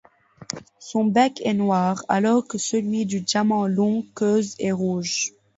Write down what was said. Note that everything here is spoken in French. Son bec est noir alors que celui du Diamant longue queue est rouge.